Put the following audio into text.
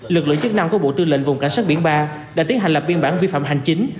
lực lượng chức năng của bộ tư lệnh vùng cảnh sát biển ba đã tiến hành lập biên bản vi phạm hành chính